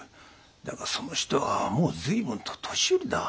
だがその人はもう随分と年寄りだ。